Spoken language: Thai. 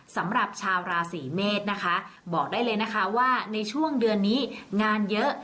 สำหรับชาวราศีเมษนะคะบอกได้เลยนะคะว่าในช่วงเดือนนี้งานเยอะ